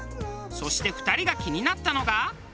そして２人が気になったのが。